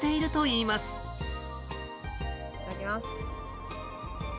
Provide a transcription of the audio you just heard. いただきます。